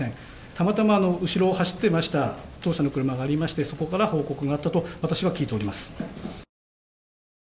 たまたま後ろを走っていた当社の車からそこから報告があったと私は聞いております。